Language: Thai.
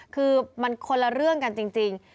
คือมันคนละเรื่องกันจริง